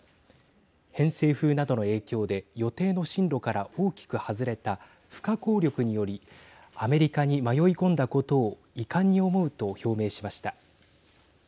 偏西風などの影響で予定の進路から大きく外れた不可抗力によりアメリカに迷い込んだことを遺憾に思うと表明しました。